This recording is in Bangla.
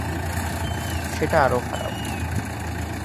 সেটা আরও খারাপ।